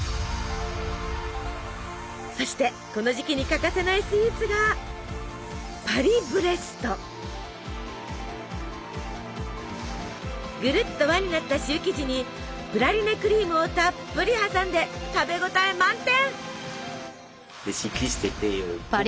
そしてこの時期に欠かせないスイーツがぐるっと輪になったシュー生地にプラリネクリームをたっぷり挟んで食べ応え満点！